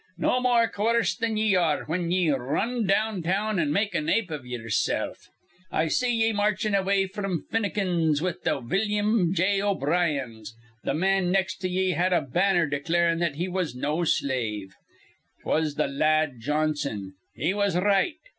No more coerced than ye are whin ye r run down town an' make an ape iv ye ersilf. I see ye marchin' away fr'm Finucane's with th' Willum J. O'Briens. Th' man nex' to ye had a banner declarin' that he was no slave. 'Twas th' la ad Johnson. He was r right.